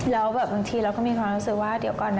แล้วแบบบางทีเราก็มีความรู้สึกว่าเดี๋ยวก่อนนะ